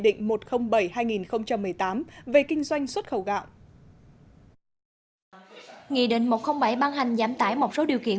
định một trăm linh bảy hai nghìn một mươi tám về kinh doanh xuất khẩu gạo nghị định một trăm linh bảy ban hành giảm tải một số điều kiện